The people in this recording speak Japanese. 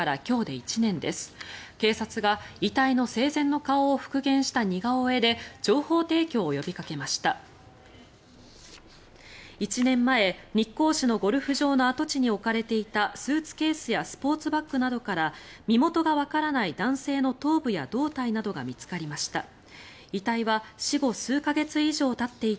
１年前、日光市のゴルフ場の跡地に置かれていたスーツケースやスポーツバッグなどから身元がわからない男性の頭部や胴体などが見つかりました。